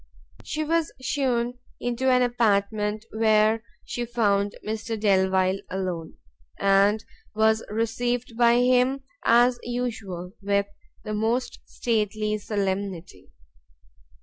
She was shewn into an apartment where she found Mr Delvile alone, and was received by him, as usual, with the most stately solemnity.